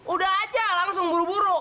udah aja langsung buru buru